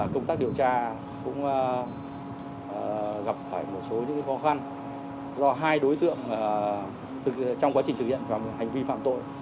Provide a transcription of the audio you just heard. công tác điều tra cũng gặp phải một số những khó khăn do hai đối tượng trong quá trình thực hiện và hành vi phạm tội